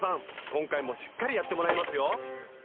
今回もしっかりやってもらいますよ。